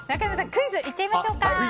クイズ、いっちゃいましょうか。